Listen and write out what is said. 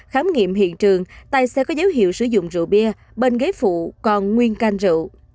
khám nghiệm hiện trường tài xe có dấu hiệu sử dụng rượu bia bên ghế phụ còn nguyên canh rượu